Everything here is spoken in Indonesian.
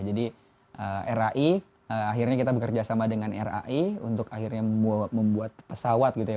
jadi rai akhirnya kita bekerja sama dengan rai untuk akhirnya membuat pesawat gitu ya